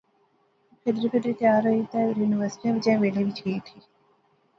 او پھیدری پھیدری تیار ہوئی تہ یونیورسٹی نے بجائے میلے وچ گئی اٹھی